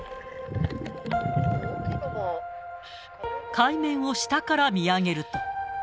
海面を下から見上げると。